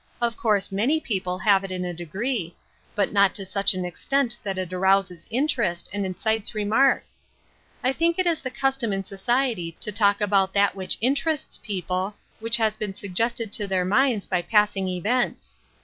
" Of Finding One's Calling, 181 course many people have it in a degree ; but not to such an extent that it arouses interest, and excites remark. I think it is the custom in soci ety to talk about that which interests people — which has been suggested to their minds by passing events.